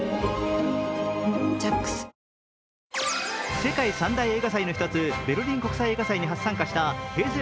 世界３大映画祭の１つ、ベルリン国際映画祭に初参加したＨｅｙ！